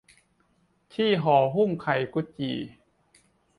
ที่ห่อหุ้มไข่กุดจี่